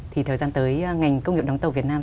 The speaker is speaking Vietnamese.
thì thời gian tới ngành công nghiệp đóng tàu việt nam